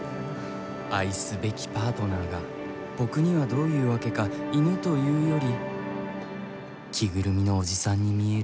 愛すべきパートナーが僕にはどういうわけか犬というより着ぐるみの、おじさんに見える。